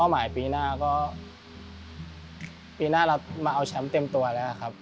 เป้าหมายปีหน้าเรารับมาเอาแชมป์เต็มตัวได้ครับ